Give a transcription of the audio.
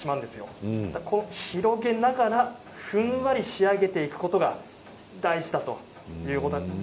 こちらを開けながらふんわり仕上げていくことが大事だということなんです。